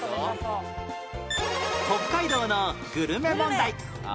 北海道のグルメ問題